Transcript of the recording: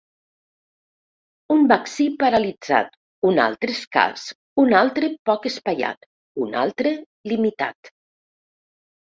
Un vaccí, paralitzat; un altre, escàs; un altre, poc espaiat; un altre, limitat.